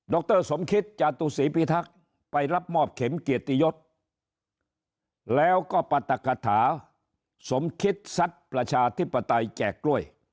รสมคิตจาตุศรีพิทักษ์ไปรับมอบเข็มเกียรติยศแล้วก็ปรัฐกฐาสมคิดสัตว์ประชาธิปไตยแจกกล้วย